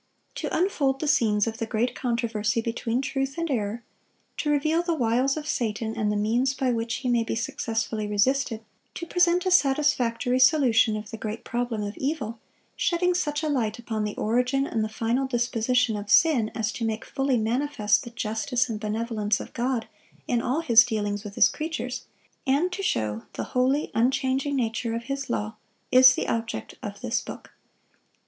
To unfold the scenes of the great controversy between truth and error; to reveal the wiles of Satan, and the means by which he may be successfully resisted; to present a satisfactory solution of the great problem of evil, shedding such a light upon the origin and the final disposition of sin as to make fully manifest the justice and benevolence of God in all His dealings with His creatures; and to show the holy, unchanging nature of His law, is the object of this book.